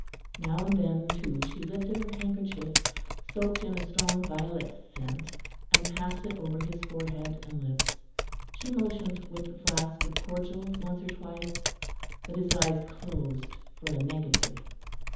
Now and then too she lifted her handkerchief, soaked in a strong violet scent, and passed it over his forehead and lips. She motioned with the flask of cordial once or twice, but his eyes closed for a negative.